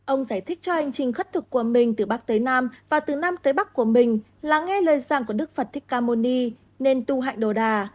ông giải thích cho hành trình khất thực của mình từ bắc tới nam và từ nam tới bắc của mình là nghe lời giảng của đức phật thích cà môn ni nên tu hạnh đồ đà